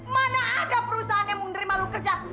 mana ada perusahaan yang menerima lu kerja